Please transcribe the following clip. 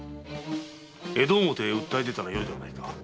江戸表へ訴え出たらよいではないか。